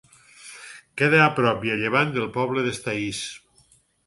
Queda a prop i a llevant del poble d'Estaís.